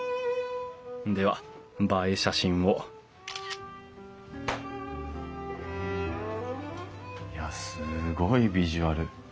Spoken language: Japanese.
では映え写真をいやすごいビジュアル。